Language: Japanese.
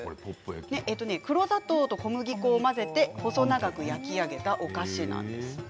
黒砂糖と小麦粉を混ぜて細長く焼き上げたお菓子なんですって。